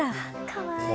かわいい。